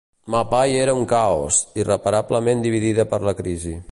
Mapai era un caos, irreparablement dividida per la crisi.